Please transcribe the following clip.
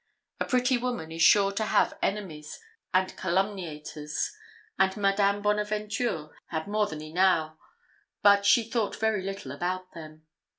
A pretty woman is sure to have enemies and calumniators, and Madame Bonaventure had more than enow; but she thought very little about them.